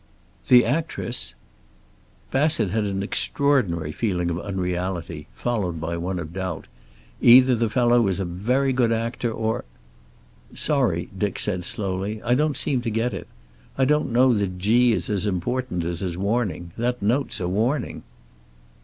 "The actress?" Bassett had an extraordinary feeling of unreality, followed by one of doubt. Either the fellow was a very good actor, or "Sorry," Dick said slowly. "I don't seem to get it. I don't know that 'G' is as important as his warning. That note's a warning."